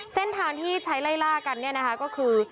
เส้นทางที่ใช้ไล่ล่ากันเนี่ยนะคะก็คือ